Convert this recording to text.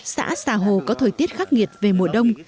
xã xà hồ có thời tiết khắc nghiệt về mùa đông